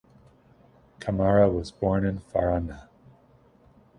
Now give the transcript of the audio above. Camara was born in Faranah.